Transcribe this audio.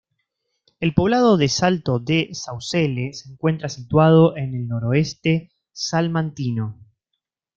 El poblado del Salto de Saucelle se encuentra situado en el noroeste salmantino.